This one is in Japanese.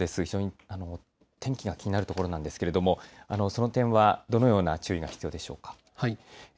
非常に天気が気になるところなんですが、その点はどのような注意が必要でしょうか。